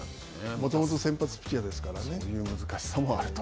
もともと先発ピッチャーですからそういう難しさもあると。